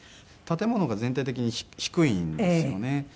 建物が全体的に低いんですよね。